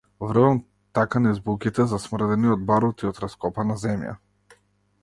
Врвам така низ буките, засмрдени од барут и од раскопана земја.